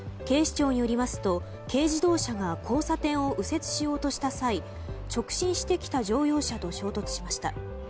警視庁によりますと軽自動車が交差点を右折しようとした際直進してきた乗用車と衝突しました。